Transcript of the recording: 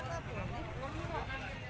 dulu gantinya dulu